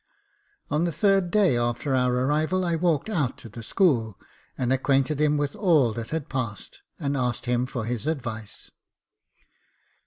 On the third day after our arrival I walked out to the school, and acquainted him with all that had passed, and asked him for his advice.